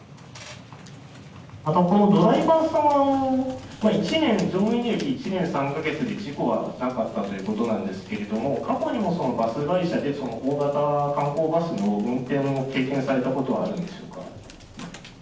あと、このドライバーさんは、１年、乗務員歴１年３か月で事故はなかったということなんですけれども、過去にも、そのバス会社で、大型観光バスの運転を経験されたことはあるんですか？